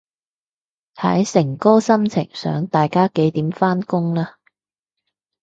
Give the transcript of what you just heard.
睇誠哥心情想大家幾點返工啦